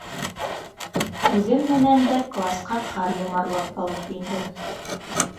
Үҙем менән дә класҡа ҡар йомарлап алып индем.